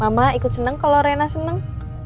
mama ikut seneng kalau rena senang